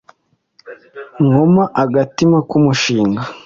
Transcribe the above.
Nkoma agatima ku mushinga